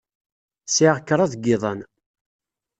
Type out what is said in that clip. Sɛiɣ kraḍ n yiḍan.